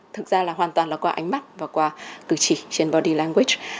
thực ra là hoàn toàn là qua ánh mắt và qua cử chỉ trên body language